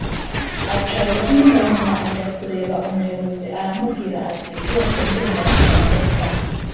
aca ruhinga nyuma ajya kureba umuyobozi aramubwira ati: “Rwose ndemera amakosa